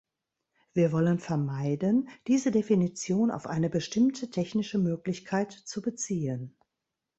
Wir wollen vermeiden, diese Definition auf eine bestimmte technische Möglichkeit zu beziehen.